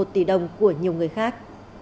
tỷ đồng của nhiều người khác